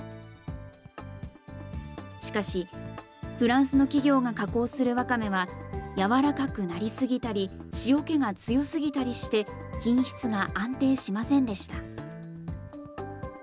しかし、フランスの企業が加工するわかめは、軟らかくなりすぎたり、塩気が強すぎたりして、品質が安定しませんでした。